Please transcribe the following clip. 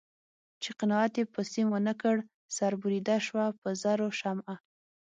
چې قناعت یې په سیم و نه کړ سر بریده شوه په زرو شمع